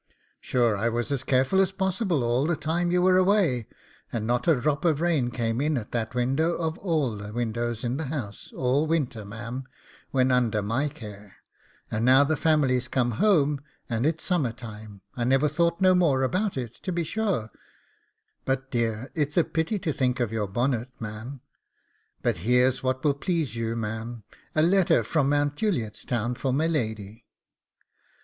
Sure I was as careful as possible all the time you were away, and not a drop of rain came in at that window of all the windows in the house, all winter, ma'am, when under my care; and now the family's come home, and it's summer time, I never thought no more about it, to be sure; but dear, it's a pity to think of your bonnet, ma'am. But here's what will please you, ma'am a letter from Mount Juliet's Town for my lady.